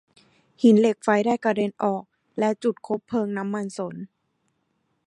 หินเหล็กไฟได้กระเด็นออกและจุดคบเพลิงน้ำมันสน